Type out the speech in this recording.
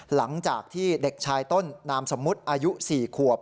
หลังจากที่เด็กชายต้นนามสมมุติอายุ๔ขวบ